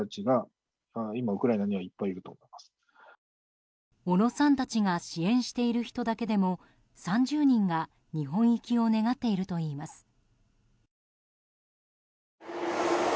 小野さんたちが支援している人だけでも３０人が日本行きを願っているといいます。